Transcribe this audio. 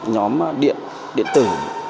nhóm điện điện tử